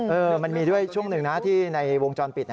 มันมีด้วยช่วงหนึ่งนะที่ในวงจรปิด